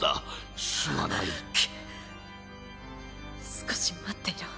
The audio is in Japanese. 少し待っていろ。